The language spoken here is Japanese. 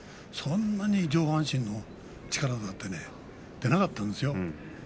そんなに上半身の力が出なかったんですよ。